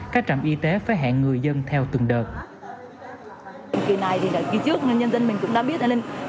các trạm y tế phải hẹn người dân theo từng đợt